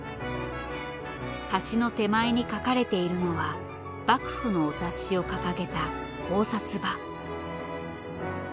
橋の手前に描かれているのは幕府のお達しを掲げた高札場。